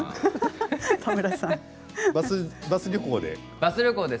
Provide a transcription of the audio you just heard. バス旅行で？